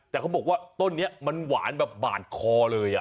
แต่เขาบอกว่าต้นนี้มันหวานแบบบาดคอเลย